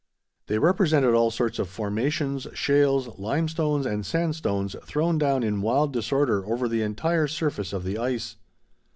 They represented all sorts of formations, shales, limestones, and sandstones thrown down in wild disorder over the entire surface of the ice.